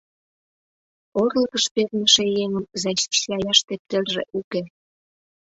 Орлыкыш перныше еҥым защищаяш тептерже уке...